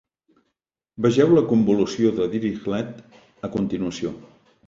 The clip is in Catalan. Vegeu la convolució de Dirichlet, a continuació.